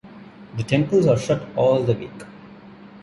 The temples are shut all the week.